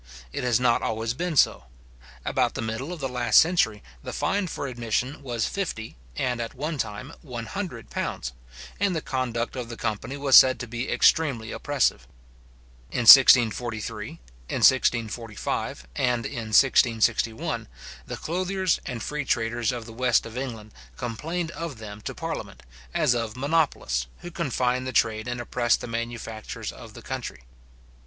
It has not always been so. About the middle of the last century, the fine for admission was fifty, and at one time one hundred pounds, and the conduct of the company was said to be extremely oppressive. In 1643, in 1645, and in 1661, the clothiers and free traders of the west of England complained of them to parliament, as of monopolists, who confined the trade, and oppressed the manufactures of the country.